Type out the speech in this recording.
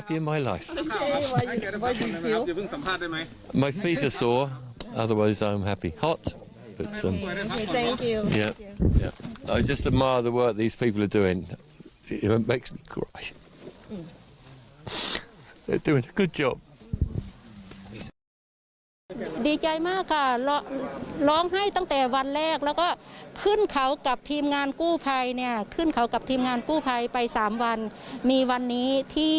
พวกเขาทำได้ดี